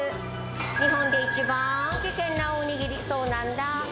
日本で一番危険なお握り、そうなんだぁ。